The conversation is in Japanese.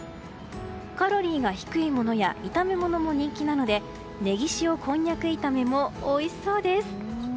カロリーが低いものや炒め物も人気なのでネギ塩こんにゃく炒めもおいしそうです。